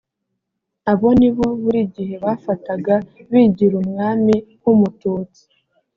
abo ni bo buri gihe bafataga bigirumwami nk umututsi